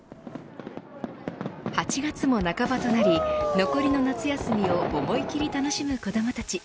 ８月も半ばとなり残りの夏休みを思いっきり楽しむ子どもたち。